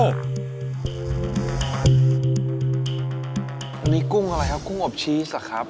อันนี้กุ้งอะไรครับกุ้งอบชีสเหรอครับ